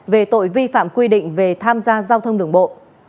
về tội vi phạm quy định về tham gia giao thông đường bộ